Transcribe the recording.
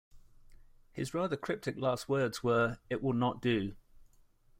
His rather cryptic last words were: "It will not do".